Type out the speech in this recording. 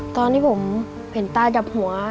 ตอนที่ผมเห็นตาจับหัว